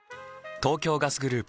東京ガスグループ